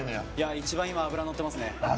一番脂乗ってますね。